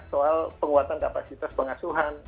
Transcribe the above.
soal penguatan kapasitas pengasuhan